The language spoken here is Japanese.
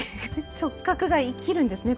直角が生きるんですね